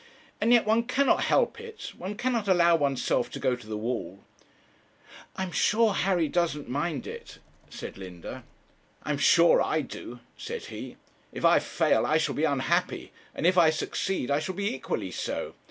And yet one cannot help it; one cannot allow one's self to go to the wall.' 'I'm sure Harry doesn't mind it,' said Linda. 'I'm sure I do,' said he. 'If I fail I shall be unhappy, and if I succeed I shall be equally so.